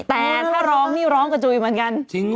แต่ถ้าร้องนี่ร้องกระจุยเหมือนกัน